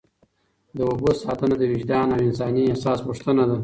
د اوبو ساتنه د وجدان او انساني احساس غوښتنه ده.